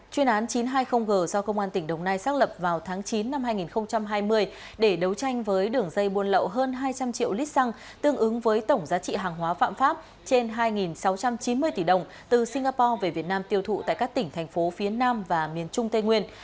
chuyên án chín trăm hai mươi g do công an tỉnh đồng nai xác lập vào tháng chín năm hai nghìn hai mươi để đấu tranh với đường dây buôn lậu hơn hai trăm linh triệu lít xăng tương ứng với tổng giá trị hàng hóa phạm pháp trên hai sáu trăm chín mươi tỷ đồng từ singapore về việt nam tiêu thụ tại các tỉnh thành phố phía nam và miền trung tây nguyên